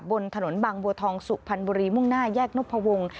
บนถนนบางบัวทองสุพรรณบุรีมุ่งหน้าแยกนพวง